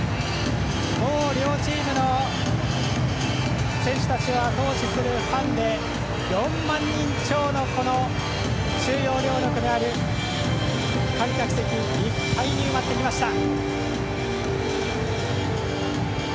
両チームの選手たちをあと押しするファンで４万人超の収容能力のある観客席いっぱいに埋まってきました。